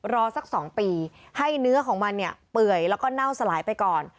รอสัก๒ปีให้เนื้อของมันเนี่ยเปื่อยแล้วก็เน่าสลายไปก่อน